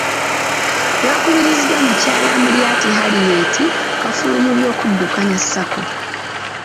Lwakubiriziddwa Mukyala Mulyanti Harriet, kafulu mu by'okuddukanya sacco.